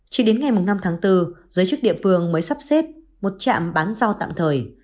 chỉ đến ngày năm tháng bốn giới chức địa phương mới sắp xếp một trạm bán rau tạm thời